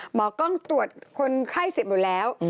หมอกล้องตรวจคนไข้เสร็จหมดแล้ว